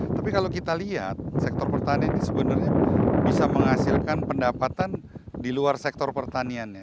tapi kalau kita lihat sektor pertanian ini sebenarnya bisa menghasilkan pendapatan di luar sektor pertaniannya